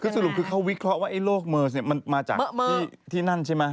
คือสรุปคือเขาวิเคราะห์ว่าไอ้โลกเมอร์มันมาจากที่นั่นใช่ไหม